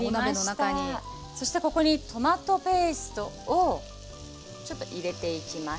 そしてここにトマトペーストをちょっと入れていきます。